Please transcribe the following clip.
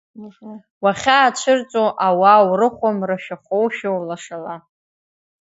Уахьаацәырҵуа ауаа урыхәо, мрашәахәоушәа улашала!